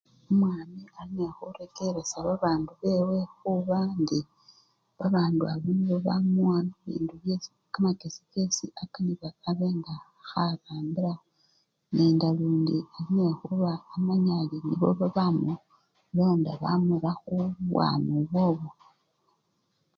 Omwami alinende khurekeresya babandu bewe khubela indi babandu abo nibo bamuwa bibindu! kamakesi kesi aba! abe nga kharambilakho nalundi abe nga amanya ali nibo babamulonda bamu! bamutra khubwami obwobwo.